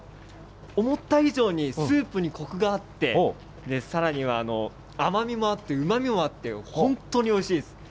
思った以上にスープにこくがあって、さらには甘みもあってうまみもあって、本当においしいです。